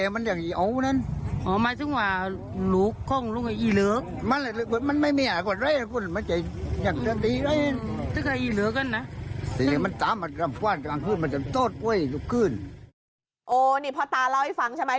นี่พ่อตาเล่าให้ฟังใช่ไหม